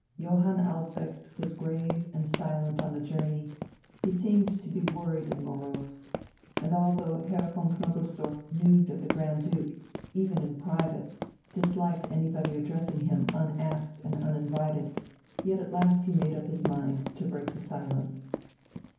Johann Albrecht was grave and silent on the journey; he seemed to be worried and morose. And although Herr von Knobelsdorff knew that the Grand Duke, even in private, disliked anybody addressing him unasked and uninvited, yet at last he made up his mind to break the silence.